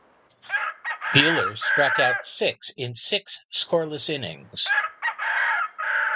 Buehler struck out six in six scoreless innings.